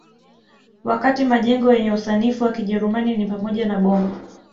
Wakati majengo yenye usanifu wa Kijerumani ni pamoja na boma